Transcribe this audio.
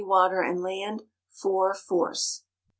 WATER AND LAND. IV. FORCE.